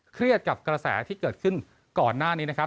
เครียดกับกระแสที่เกิดขึ้นก่อนหน้านี้นะครับ